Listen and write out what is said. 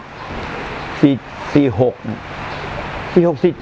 ปี๔๖